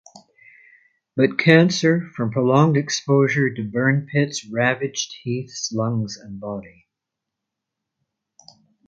But cancer from prolonged exposure to burn pits ravaged Heath’s lungs and body.